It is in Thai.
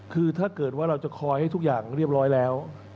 คือถ้าเกิดว่าเราจะคอยให้ทุกอย่างเรียบร้อยแล้ว